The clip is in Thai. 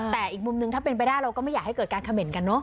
แต่อีกมุมนึงถ้าเป็นไปได้เราก็ไม่อยากให้เกิดการเขม่นกันเนอ